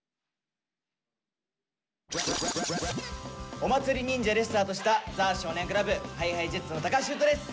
「お祭り忍者」でスタートした「ザ少年倶楽部」ＨｉＨｉＪｅｔｓの橋優斗です。